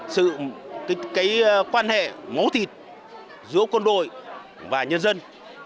sự quan hệ máu thịt giữa quân đội và nhân dân